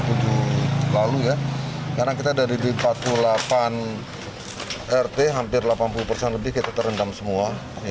karena kita dari empat puluh delapan rt hampir delapan puluh persen lebih kita terendam semua